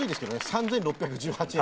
３，６１８円。